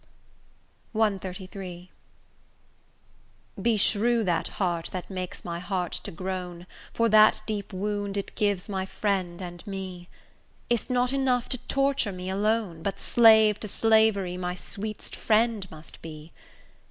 CXXXIII Beshrew that heart that makes my heart to groan For that deep wound it gives my friend and me! Is't not enough to torture me alone, But slave to slavery my sweet'st friend must be?